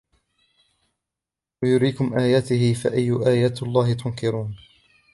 ويريكم آياته فأي آيات الله تنكرون